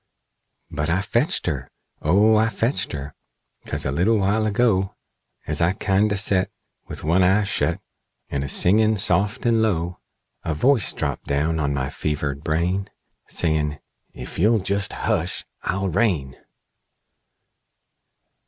"But I fetched her! O I fetched her! 'Cause a little while ago, As I kindo' set, With one eye shet, And a singin' soft and low, A voice drapped down on my fevered brain, Sayin', 'Ef you'll jest hush I'll rain!'"